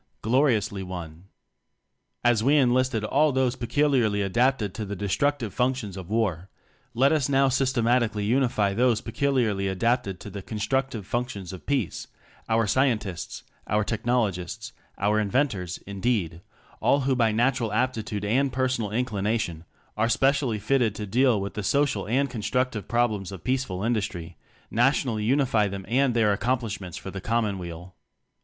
gloriously won! As we enlisted all those peculiarly adapted to the destructive functions of War, let us now systematically unify those peculiarly adapted to the constructive functions of Peace our scientists, our technologists, our in ventors, indeed, all who by natural aptitude and personal inclination are specially fitted to deal with the social and constructive problems of peaceful industry; nationally unify them and their accomplishments for the Com monweal.